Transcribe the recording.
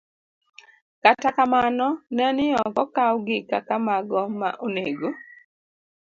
Kata kamano, ne ni ok okawgi kaka mago ma onego